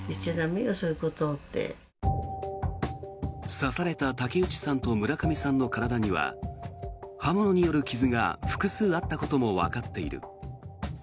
刺された竹内さんと村上さんの体には刃物による傷が複数あったこともわかっている。